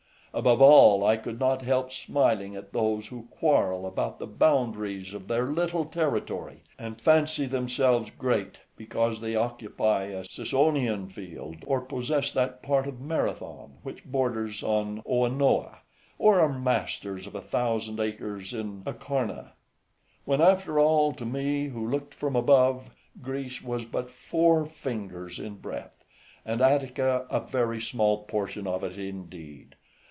Above all, I could not help smiling at those who quarrel about the boundaries of their little territory, and fancy themselves great because they occupy a Sicyonian {175b} field, or possess that part of Marathon which borders on Oenoe, or are masters of a thousand acres in Acharnae; when after all, to me, who looked from above, Greece was but four fingers in breadth, and Attica a very small portion of it indeed.